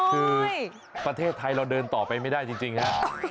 คือประเทศไทยเราเดินต่อไปไม่ได้จริงฮะ